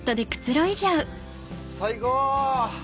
最高！